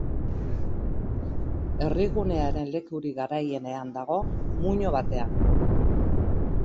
Herrigunearen lekurik garaienean dago, muino batean.